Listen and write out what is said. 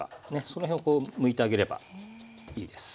その辺をこうむいてあげればいいです。